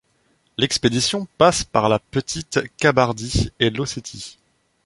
L'expédition passe par la Petite Kabardie et l'Ossétie.